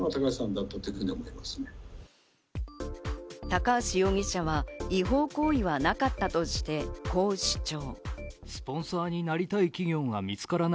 高橋容疑者は違法行為はなかったとして、こう主張。